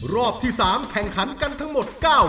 รอบที่๓แข่งขันกันทั้งหมด๙